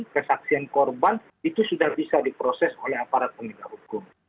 kesaksian korban itu sudah bisa diproses oleh aparat penegak hukum